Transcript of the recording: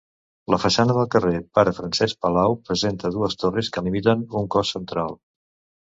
La façana del carrer Pare Francesc Palau presenta dues torres que limiten un cos central.